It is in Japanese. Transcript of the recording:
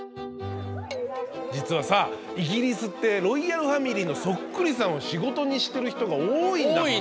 実はさイギリスってロイヤルファミリーのそっくりさんを仕事にしてる人が多いんだって。